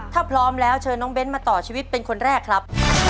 ถ้าพร้อมแล้วเชิญน้องเบ้นมาต่อชีวิตเป็นคนแรกครับ